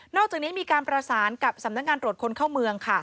อกจากนี้มีการประสานกับสำนักงานตรวจคนเข้าเมือง